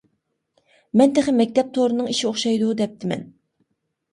مەن تېخى مەكتەپ تورىنىڭ ئىشى ئوخشايدۇ دەپتىمەن.